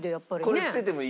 「これ捨ててもいい？」